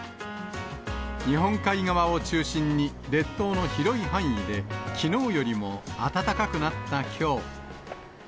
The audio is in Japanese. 日本海側を中心に、列島の広い範囲で、きのうよりも暖かくなったきょう。